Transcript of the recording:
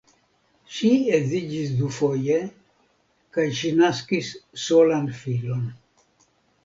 Ŝi edziĝis dufoje kaj ŝi naskis solan filon.